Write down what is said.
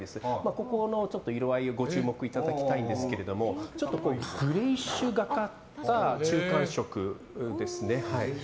ここの色合いにご注目いただきたいんですがグレイッシュがかった中間色ですね。